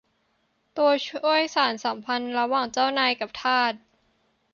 ตัวช่วยสานสัมพันธ์ระหว่างเจ้านายกับทาส